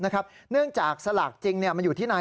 ฟังให้ดีนะ